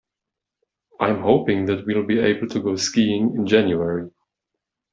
I'm hoping that we'll be able to go skiing in January.